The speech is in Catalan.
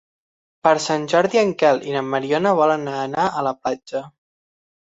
Per Sant Jordi en Quel i na Mariona volen anar a la platja.